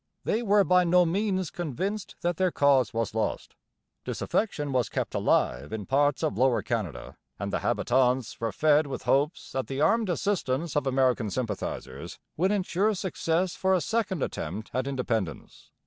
They were by no means convinced that their cause was lost. Disaffection was kept alive in parts of Lower Canada and the habitants were fed with hopes that the armed assistance of American sympathizers would ensure success for a second attempt at independence.